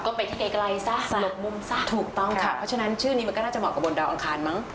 ก็ไปที่ไกลซะหลบมุมซะค่ะพอฉะนั้นชื่อนี้มันก็น่าจะเหมาะกับบนดาวอังคารมั้ง